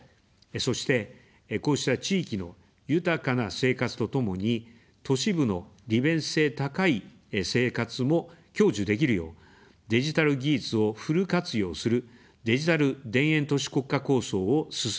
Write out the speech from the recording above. そして、こうした地域の豊かな生活とともに、都市部の利便性高い生活も享受できるよう、デジタル技術をフル活用する「デジタル田園都市国家構想」を進めます。